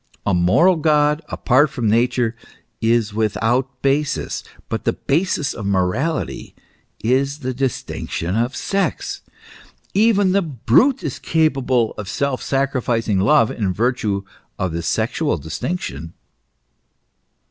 A moral God apart from Nature is without basis ; but the basis of morality is the distinction of sex. Even the brute is capable of self sacrificing love in virtue of the sexual distinction.